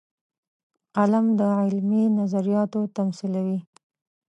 قلم د علمي نظریاتو تمثیلوي